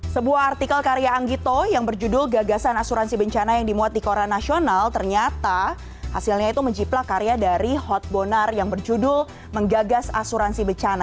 sebuah artikel karya anggito yang berjudul gagasan asuransi bencana yang dimuat di korea nasional ternyata hasilnya itu menciplak karya dari hotbonar yang berjudul menggagas asuransi bencana